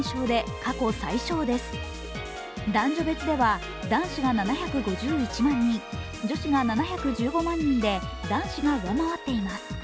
男女別では男子が７５１万人、女子が７１５万人で男子が上回っています。